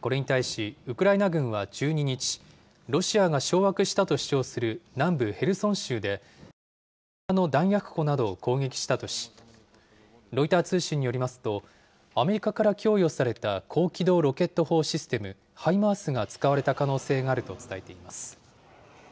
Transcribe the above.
これに対し、ウクライナ軍は１２日、ロシアが掌握したと主張する南部ヘルソン州で、ロシア側の弾薬庫などを攻撃したとし、ロイター通信によりますと、アメリカから供与された高機動ロケット砲システム・ハイマースが使われた可能性があると伝えています。